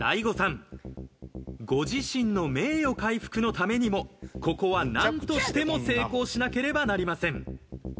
ご自身の名誉回復のためにもここは何としても成功しなければなりません。